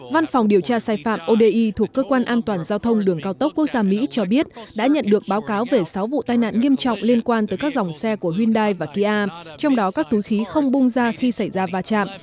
văn phòng điều tra sai phạm odei thuộc cơ quan an toàn giao thông đường cao tốc quốc gia mỹ cho biết đã nhận được báo cáo về sáu vụ tai nạn nghiêm trọng liên quan tới các dòng xe của hyundai và kia trong đó các túi khí không bung ra khi xảy ra va chạm